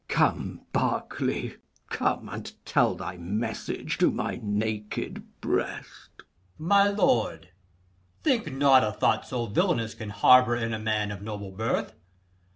Come, Berkeley, come, And tell thy message to my naked breast. Berk. My lord, think not a thought so villanous Can harbour in a man of noble birth.